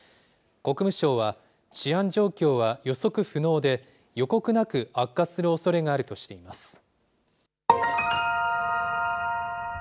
国務省は、治安状況は予測不能で、予告なく悪化するおそれがあるとしています。